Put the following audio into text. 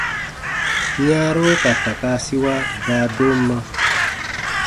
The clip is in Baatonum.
Yãaro ka takaasiwa baadomma.